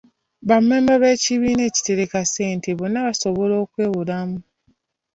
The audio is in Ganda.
Bammemba b'ekibiina ekitereka ssente bonna basobola okukyewolamu.